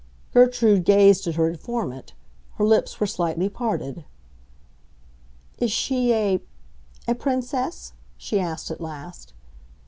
Gertrude gazed at her informant; her lips were slightly parted. "Is she a—a Princess?" she asked at last.